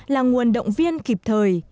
là nguồn động viên kịp thời